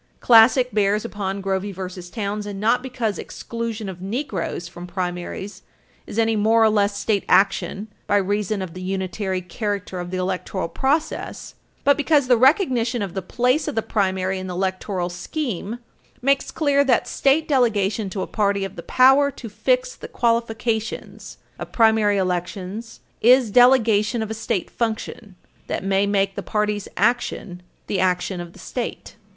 Classic bears upon Grovey v. Townsend not because exclusion of Negroes from primaries is any more or less state action by reason of the unitary character of the electoral process, but because the recognition of the place of the primary in the electoral scheme makes clear that state delegation to a party of the power to fix the qualifications of primary elections is delegation of a state function that may make the party's action the action of the state.